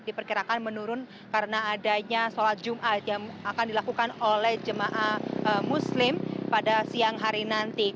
diperkirakan menurun karena adanya sholat jumat yang akan dilakukan oleh jemaah muslim pada siang hari nanti